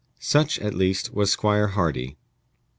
Such, at least, was Squire Hardy.